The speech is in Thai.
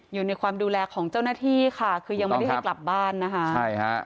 อยู่ในความดูแลของเจ้าหน้าที่ค่ะคือยังไม่ได้ให้กลับบ้านนะคะใช่ฮะ